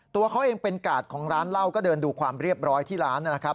ตัวเขาเองเป็นกาดของร้านเหล้าก็เดินดูความเรียบร้อยที่ร้านนะครับ